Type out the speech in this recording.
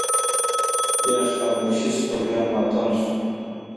بيا خاموشي سوه بيا ماتم سو